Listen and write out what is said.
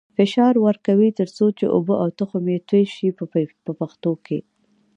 فشار ورکوي تر څو چې اوبه او تخم یې توی شي په پښتو کې.